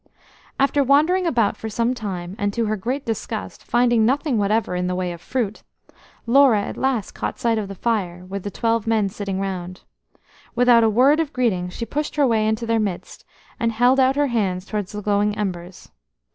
After wandering about for some time, and, to her great disgust, finding nothing whatever in the way of fruit, Laura at last caught sight of the fire, with the twelve little men sitting round. Without a word of greeting, she pushed her way into their midst, and held out her hands towards the glowing embers.